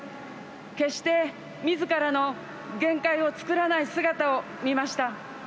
決して、みずからの限界を作らない姿を見ました。